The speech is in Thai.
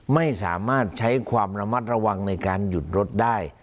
ไม่สามารถใช้ความระมัดระวังในการหยุดรถได้